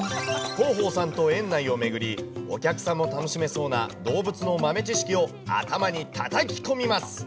広報さんと園内を巡り、お客さんも楽しめそうな動物の豆知識を頭に叩き込みます。